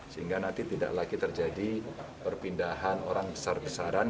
sehingga nanti tidak lagi terjadi perpindahan orang besar besaran